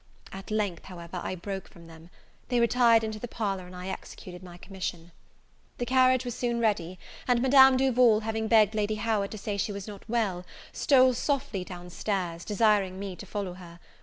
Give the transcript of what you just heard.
At length, however, I broke from them; they retired into the parlour, and I executed my commission. The carriage was soon ready; and Madame Duval, having begged Lady Howard to say she was not well, stole softly down stairs, desiring me to follow her.